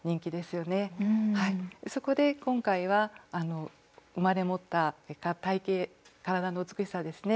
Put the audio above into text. そこで今回は生まれ持った体形体の美しさですね